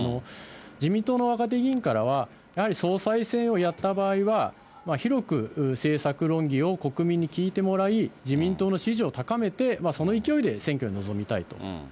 自民党の若手議員からは、やはり総裁選をやった場合は、広く政策論議を国民に聞いてもらい、自民党の支持を高めて、その勢いで選挙に臨みたいと。